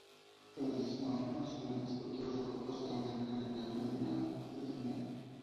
Durante su mandato Nacional disputó la Copa Sudamericana quedando eliminado en cuartos de final.